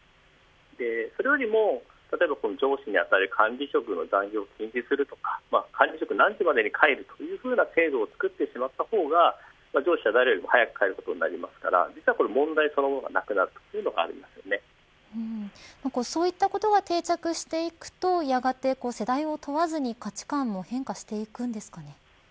それよりも上司に当たる管理職の残業を禁止するとか管理職は何時までに帰るという制度を作ってしまったほうが上司は誰よりも早く帰ることになりますからそういったことが定着していくとやがて、世代を問わずに価値観も変化していくんですかね。